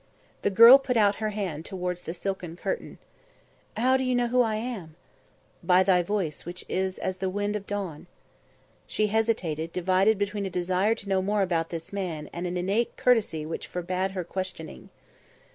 The girl put out her hand towards the silken curtain. "How do you know who I am?" "By thy voice, which is as the wind of dawn." She hesitated, divided between a desire to know more about this man and an innate courtesy which forbade her questioning.